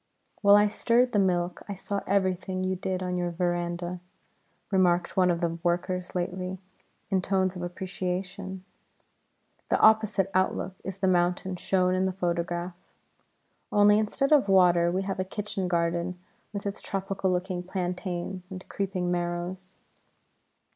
"While I stirred the milk I saw everything you did on your verandah," remarked one of the workers lately, in tones of appreciation. The opposite outlook is the mountain shown in the photograph; only instead of water we have the kitchen garden with its tropical looking plantains and creeping marrows.